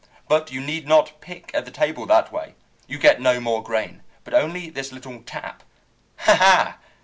But you need not pick at the table that way. You get no more grain, but only this little tap. Ha, ha!